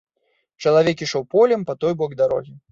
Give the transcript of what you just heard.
Чалавек ішоў полем па той бок дарогі.